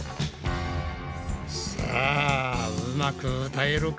さあうまく歌えるか？